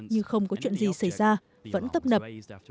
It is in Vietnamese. nhưng không có chuyện gì xảy ra vẫn tấp nập